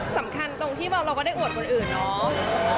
สำคัญตรงที่เราก็ได้โอดอื่นน้อง